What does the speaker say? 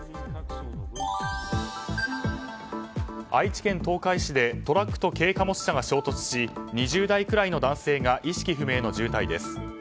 愛知県東海市でトラックと軽貨物車が衝突し２０代くらいの男性が意識不明の重体です。